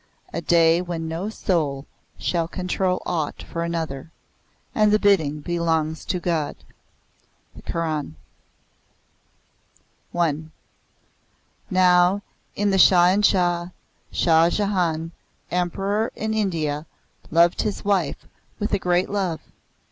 A day when no soul shall control aught for another. And the bidding belongs to God. THE KORAN. I Now the Shah in Shah, Shah Jahan, Emperor in India, loved his wife with a great love.